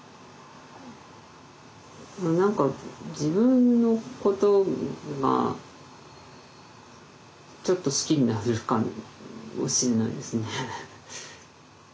何か自分のことがちょっと好きになるかもしんないですね。